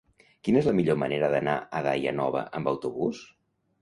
Quina és la millor manera d'anar a Daia Nova amb autobús?